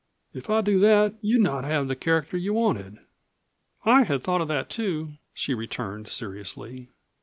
If I do that, you'd not have the character you wanted." "I had thought of that, too," she returned seriously.